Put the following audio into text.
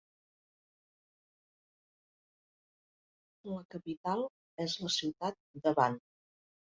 La capital és la ciutat de Van.